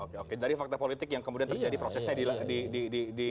oke oke dari fakta politik yang kemudian terjadi prosesnya di